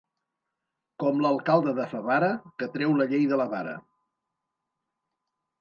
Com l'alcalde de Favara, que treu la llei de la vara.